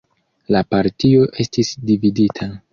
La partio estis dividita.